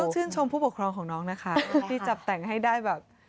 ชื่นชมผู้ปกครองของน้องนะคะที่จับแต่งให้ได้แบบ